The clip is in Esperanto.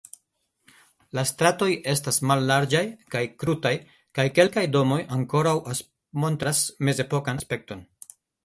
La stratoj estas mallarĝaj kaj krutaj kaj kelkaj domoj ankoraŭ montras mezepokan aspekton.